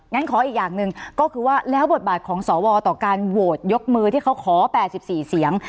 งั้นขออีกอย่างหนึ่งก็คือว่าแล้วบทบาทของสวต่อการโหวตยกมือที่เขาขอ๘๔เสียง